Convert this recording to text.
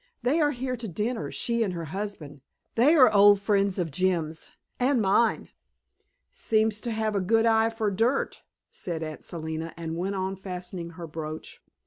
"They are here to dinner, she and her husband. They are old friends of Jim's and mine." "Seems to have a good eye for dirt," said Aunt Selina and went on fastening her brooch.